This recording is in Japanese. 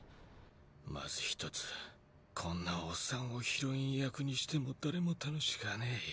まず１つこんなオッサンをヒロイン役にしても誰も楽しかねェ。